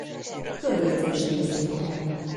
Körjegyzőségi székhely.